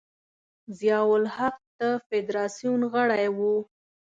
ضیا الحق د فدراسیون غړی و.